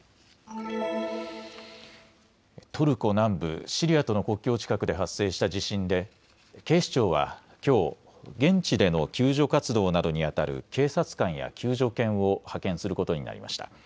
トルコ南部シリアとの国境近くで発生した地震で警視庁はきょう現地での救助活動などにあたる警察官や救助犬を派遣することになりました。